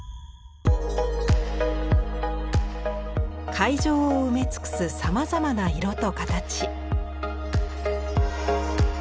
会場を埋め尽くすさまざまな色と形。